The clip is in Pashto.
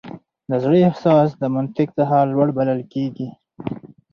د زړه احساس د منطق څخه لوړ بلل کېږي.